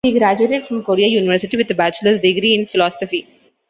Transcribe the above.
He graduated from Korea University with a bachelor's degree in philosophy.